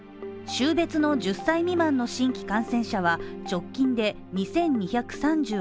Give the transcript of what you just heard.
週別の１０歳未満の新規感染者は直近で２２３８人